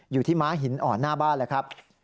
อยู่ที่ม้าหินอ่อนหน้าบ้านเลยครับ